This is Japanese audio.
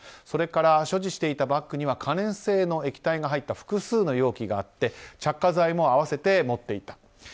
それから所持していたバッグには可燃性の液体が入った複数の容器もあって着火剤も併せて持っていた。